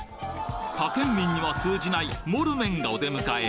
他県民には通じないモルメンがお出迎え